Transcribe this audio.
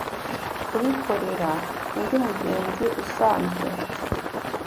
kubikorera undi mugenzi usanzwe